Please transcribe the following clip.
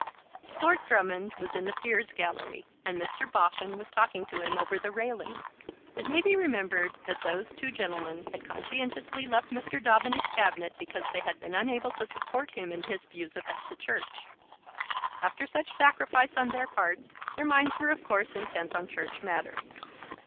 Lord Drummond was in the Peers' Gallery, and Mr. Boffin was talking to him over the railings. It may be remembered that those two gentlemen had conscientiously left Mr. Daubeny's Cabinet because they had been unable to support him in his views about the Church. After such sacrifice on their parts their minds were of course intent on Church matters.